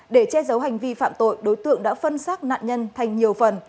để che giấu hành vi phạm tội đối tượng đã phân xác nạn nhân thành nhiều phần